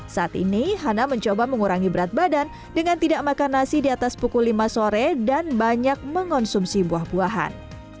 saat ini hana mencoba mengurangi berat badan dengan tidak makan nasi di atas pukul lima sore dan banyak mengonsumsi buah buahan